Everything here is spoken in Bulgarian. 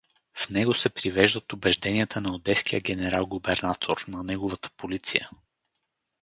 В него се привеждат убежденията на одеския генерал-губернатор, на неговата полиция.